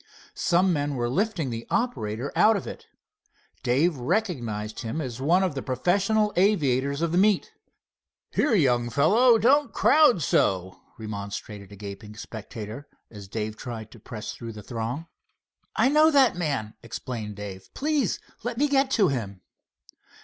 Some men were lifting the operator out of it. Dave recognized him as one of the professional aviators of the meet. "Here, young fellow, don't crowd so," remonstrated a gaping spectator, as Dave tried to press through the throng. "I know that man," explained Dave. "Please let me get to him."